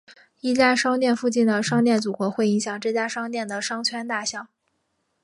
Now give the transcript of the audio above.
一家商店附近的商店组合会影响这家商店的商圈大小。